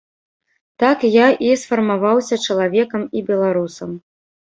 Так я і сфармаваўся чалавекам і беларусам.